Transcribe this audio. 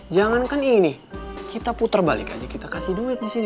jangankan ini nih kita putar balik aja kita kasih duit di sini